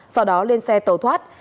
sau đó lên xe tàu thoát